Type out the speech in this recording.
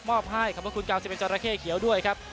อบให้ขอบคุณกาวซิเมนจราเข้เขียวด้วยครับ